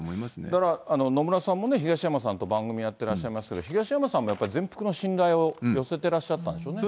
だから、野村さんもね、東山さんと番組やってらっしゃいますけど、東山さんも全幅の信頼を寄せてらっしゃったんですよね。